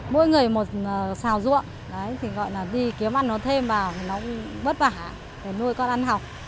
mỗi người một xào ruộng thì gọi là đi kiếm ăn nó thêm vào thì nó cũng bất vả để nuôi con ăn học